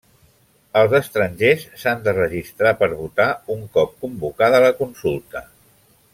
Els estrangers s'han de registrar per votar, un cop convocada la consulta.